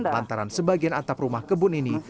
lantaran sebagian atap rumah kebun ini